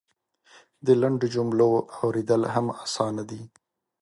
د لنډو جملو اورېدل هم اسانه دی.